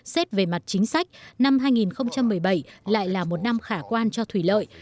xét về mặt chính sách năm hai nghìn một mươi bảy lại là một năm khả quan cho thủy lợi